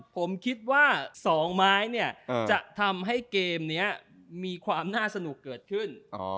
ผมคิดว่า๒ไม้เนี่ยจะทำให้เกมนี้มีความน่าสนุกเกิดขึ้น